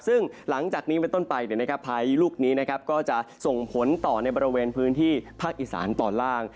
ซึ่งหลังจากนี้เป็นต้นไปพายุลูกนี้ก็จะส่งผลต่อในบริเวณพื้นที่ภาคอีสานตอนล่าง